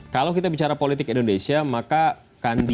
kalau kita bicara politik indonesia maka kandidat